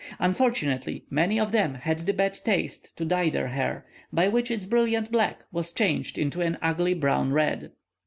Unfortunately, many of them had the bad taste to dye their hair, by which its brilliant black was changed into an ugly brown red.